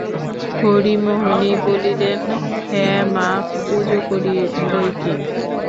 হরিমোহিনী বলিলেন, হাঁ মা, পুজো করি বৈকি।